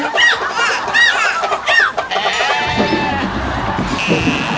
นี่เป็นการวางผ้าที่ถูกต้องอย่างที่คุณบอกเลย